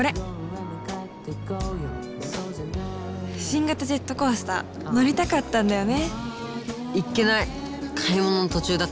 新型ジェットコースター乗りたかったんだよね。